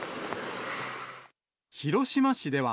広島市では、